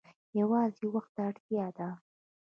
یوازې وخت ته اړتیا ده.